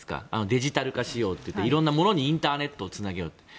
デジタル化仕様といっていろんなものにインターネットをつなげようっていう。